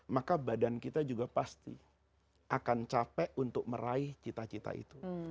maka badan kita juga pasti akan capek untuk meraih cita cita itu